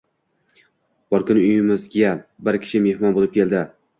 Bir kun uyimizga bir kishi mehmon bo’lib keldi.